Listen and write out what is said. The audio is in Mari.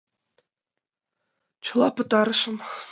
— Чыла пытарышым.